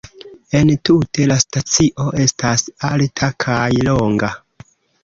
Entute, la stacio estas alta kaj longa.